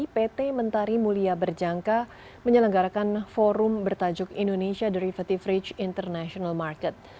pt mentari mulia berjangka menyelenggarakan forum bertajuk indonesia derivative rich international market